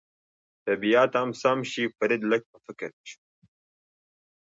طبیعت هم سم شي، فرید لږ په فکر کې شو.